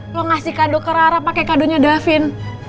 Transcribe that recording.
lu ngasih kado ke rara pake kadonya davin